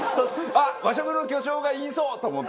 あっ和食の巨匠が言いそう！と思って。